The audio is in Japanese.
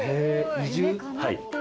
はい。